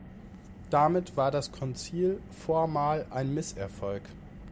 Damit war das Konzil formal ein Misserfolg.